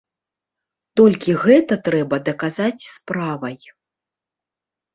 Толькі гэта трэба даказаць справай.